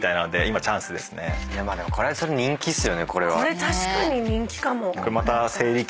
これ確かに人気かも。